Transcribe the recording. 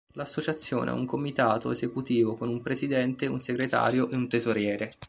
L'Associazione ha un comitato esecutivo con un presidente, un segretario e un tesoriere.